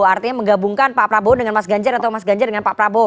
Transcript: artinya menggabungkan pak prabowo dengan mas ganjar atau mas ganjar dengan pak prabowo